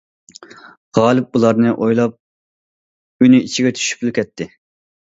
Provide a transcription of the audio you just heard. غالىب بۇلارنى ئويلاپ ئۈنى ئىچىگە چۈشۈپلا كەتتى.